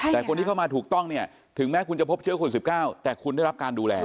แต่คนที่เข้ามาถูกต้องเนี่ยถึงแม้คุณจะพบเชื้อโควิด๑๙แต่คุณได้รับการดูแล